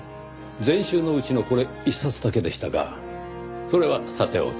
全集のうちのこれ１冊だけでしたがそれはさておき。